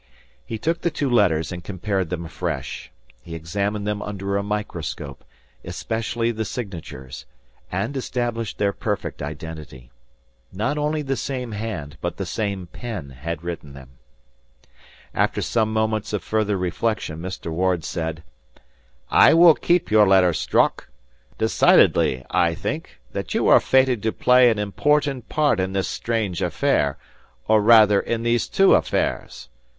He took the two letters and compared them afresh. He examined them under a microscope, especially the signatures, and established their perfect identity. Not only the same hand, but the same pen had written them. After some moments of further reflection, Mr. Ward said, "I will keep your letter, Strock. Decidedly, I think, that you are fated to play an important part in this strange affair or rather in these two affairs.